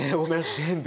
全部。